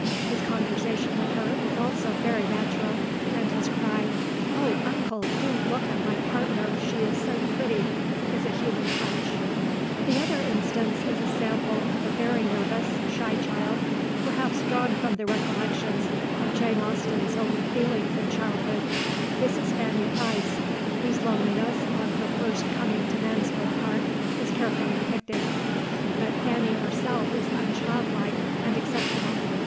His conversation with her is also very natural, and his cry, "'Oh, uncle, do look at my partner; she is so pretty!'" is a human touch. [Illustration: JUVENILE RETIREMENT] The other instance is a sample of a very nervous, shy child, perhaps drawn from the recollections of Jane Austen's own feelings in childhood, this is Fanny Price, whose loneliness on her first coming to Mansfield Park is carefully depicted, but Fanny herself is unchildlike and exceptional.